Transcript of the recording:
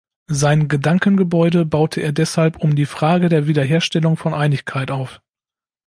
Sein Gedankengebäude baute er deshalb um die Frage der Wiederherstellung von Einigkeit auf.